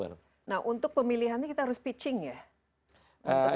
nah untuk pemilihannya kita harus pitching ya